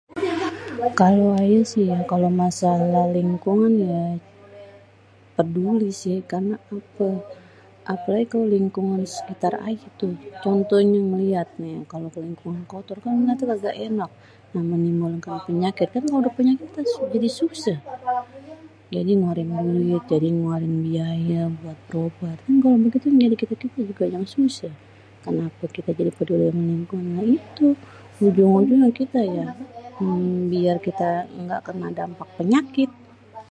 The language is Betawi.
Kalo ayé sih kalo masalah lingkungan ya peduli si karna itu apelagi kalo lingkungan disekitar aye toh contohnye nih liat nih lingkungan kotor ga kan kalo kotor gaenak sarang penyakit kan. Kalo udah penyakit kita jadi suseh jadi nguarin duit jadi nguarin biaye buat berobat kan kalo ya kan kalo sakit kite jadi suseh ya itu jadi dampak penyakit.